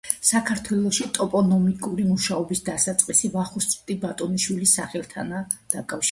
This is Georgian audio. საქართველოში ტოპონიმიკური მუშაობის დასაწყისი ვახუშტი ბატონიშვილის სახელთანაა დაკავშირებული.